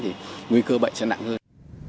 thì nguy cơ bệnh sẽ nặng hơn